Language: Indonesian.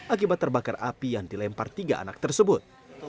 akibat terbakar api yang dilempar tiga anak tersebut